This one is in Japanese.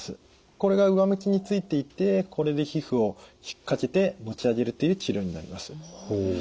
これが上向きについていてこれで皮膚を引っ掛けて持ち上げるという治療になります。